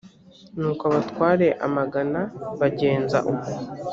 nuko abatware amagana bagenza uko.